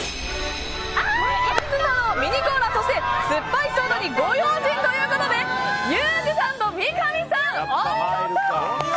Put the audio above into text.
キャベツ太郎、ミニコーラそしてすっぱいソーダにご用心ということでユージさんと三上さん、お見事！